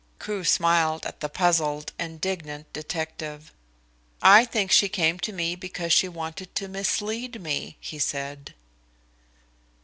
Crewe smiled at the puzzled, indignant detective. "I think she came to me because she wanted to mislead me," he said.